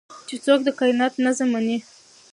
چې څوک د کائنات نظم مني